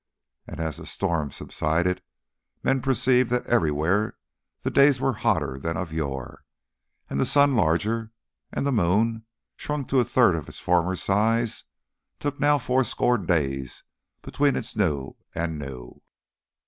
And as the storms subsided men perceived that everywhere the days were hotter than of yore, and the sun larger, and the moon, shrunk to a third of its former size, took now fourscore days between its new and new.